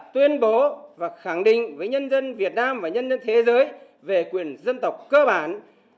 tuyên bố và khẳng định với nhân dân việt nam và nhân dân thế giới về quyền dân tộc cơ bản